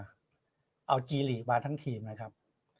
ทีมจีลี่มาทั้งทีมนะครับ